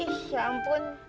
ih ya ampun